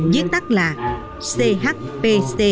viết tắt là chp